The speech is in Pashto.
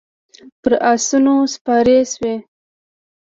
پر اسونو سپارې شوې.